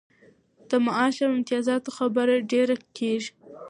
د معاش او امتیازاتو خبره ډېره کیږي.